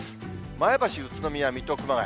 前橋、宇都宮、水戸、熊谷。